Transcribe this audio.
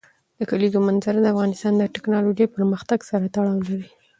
د کلیزو منظره د افغانستان د تکنالوژۍ پرمختګ سره تړاو لري.